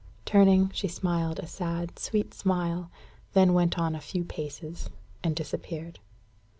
Turning, she smiled a sad, sweet smile, then went on a few paces, and disappeared.